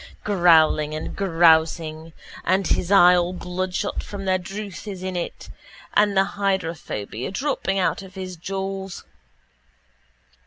Growling and grousing and his eye all bloodshot from the drouth is in it and the hydrophobia dropping out of his jaws.